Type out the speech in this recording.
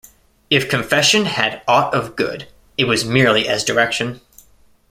If confession had aught of good it was merely as direction.